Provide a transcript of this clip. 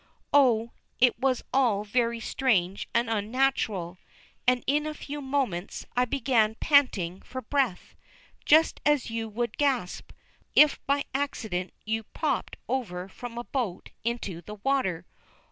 Oh, it was all very strange and unnatural. And in a few moments I began panting for breath. Just as you would gasp, if by accident you popped over from a boat into the water.